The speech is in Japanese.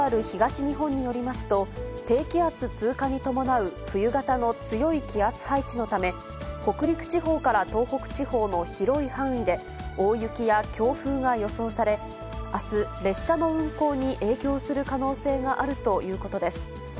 ＪＲ東日本によりますと、低気圧通過に伴う冬型の強い気圧配置のため、北陸地方から東北地方の広い範囲で、大雪や強風が予想され、あす、列車の運行に影響する可能性があるということです。